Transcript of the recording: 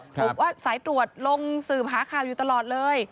บอกว่าสายตรวจลงสืบหาข่าวอยู่ตลอดเลย